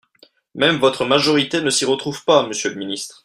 Même votre majorité ne s’y retrouve pas, monsieur le ministre